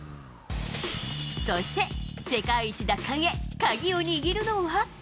そして、世界一奪還へ鍵を握るのは。